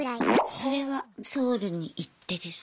それはソウルに行ってですか？